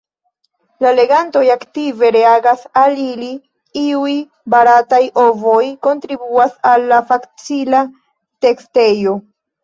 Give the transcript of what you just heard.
La legantoj aktive reagas al ili; iuj barataj “ovoj” kontribuas al la facila tekstejo.